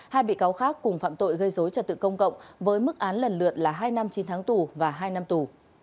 hai bị cáo khác cùng phạm tội gây dối trật tự công cộng với mức án lần lượt là hai năm chín tháng tù và hai năm tù